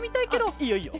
いいよいいよ！